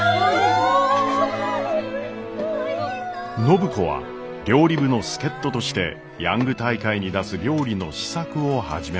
暢子は料理部の助っ人としてヤング大会に出す料理の試作を始めました。